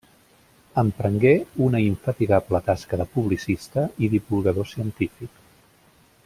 Emprengué una infatigable tasca de publicista i divulgador científic.